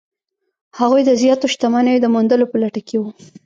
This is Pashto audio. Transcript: هغوی د زیاتو شتمنیو د موندلو په لټه کې وو.